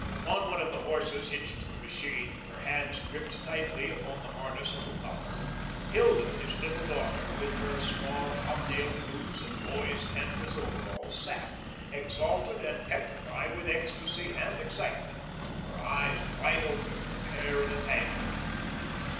Upon one of the horses hitched to the machine, her hands gripped tightly upon the harness of the collar, Hilda, his little daughter, with her small, hob nailed boots and boy's canvas overalls, sat, exalted and petrified with ecstasy and excitement, her eyes wide opened, her hair in a tangle.